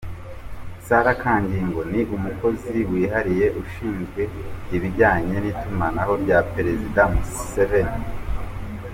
Sarah Kagingo ni Umukozi wihariye ushinzwe ibijyanye n’itumanaho rya Perezida Museveni.